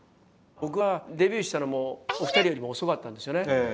僕はデビューしたのもお二人よりも遅かったんですよね。